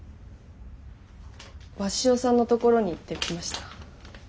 鷲尾さんのところに行ってきました。